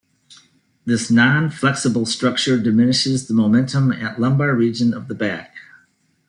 This non-flexible structure diminishes the momentum at lumbar region of the back.